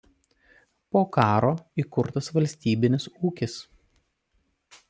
Po karo įkurtas valstybinis ūkis.